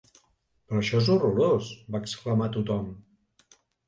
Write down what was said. Però això és horrorós!- va exclamar tothom.